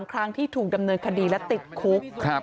ครั้งที่ถูกดำเนินคดีและติดคุก